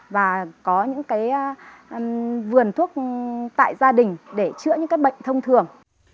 và có những cái vườn thuốc tại gia đình để chữa những cái bệnh thông thường